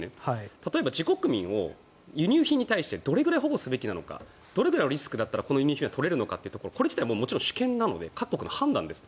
例えば自国民を輸入品に対してどれぐらい保護すべきなのかどれくらいのリスクだったらこれを取れるのかこれ自体は主権なので各国の判断です。